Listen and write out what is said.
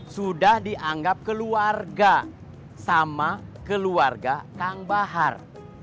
sudah dianggap keluarga sama keluarga kang bahar